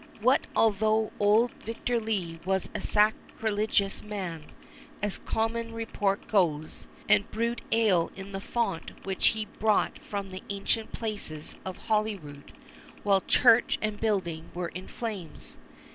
What although old Victor Lee was a sacrilegious man, as common report goes, and brewed ale in the font which he brought from the ancient palace of Holyrood, while church and building were in flames?